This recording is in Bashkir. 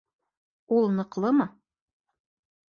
Ул ныҡлымы?